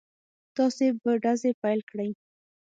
تاسې به ډزې پيل کړئ.